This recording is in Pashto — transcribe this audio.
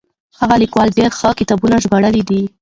هغه ليکوال ډېر ښه کتابونه ژباړلي دي.